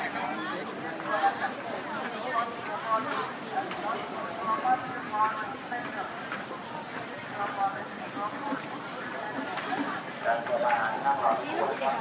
ตั้งต้นตั้งแต่ตรงนู้นนะครับ